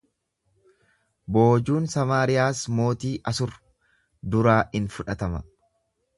Boojuun Samaariyaas mootii Asur duraa in fudhatama.